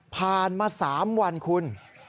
ผ่านมา๓วันคุณ